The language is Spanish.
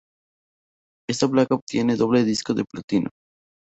Esta placa obtiene doble disco de Platino.